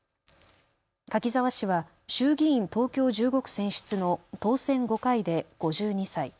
柿沢氏は衆議院東京１５区選出の当選５回で５２歳。